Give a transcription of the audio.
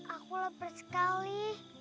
aku leper sekali